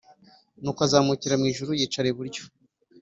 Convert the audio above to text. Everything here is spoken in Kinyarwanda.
nuko azamukira mu ijuru yicara iburyo